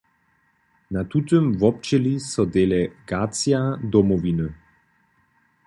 Na tutym wobdźěli so delegacija Domowiny.